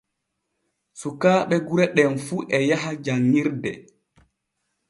Sukaaɓe gure ɗem fu e yaha janŋirde.